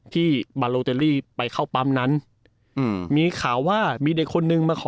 ที่มาโลเตอรี่ไปเข้าปั๊มนั้นอืมมีข่าวว่ามีเด็กคนนึงมาขอ